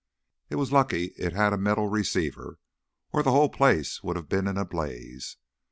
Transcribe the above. It was lucky it had a metal receiver, or the whole place would have been in a blaze.